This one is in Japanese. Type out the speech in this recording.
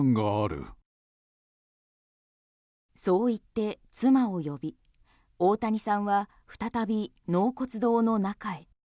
そう言って妻を呼び大谷さんは再び納骨堂の中へ。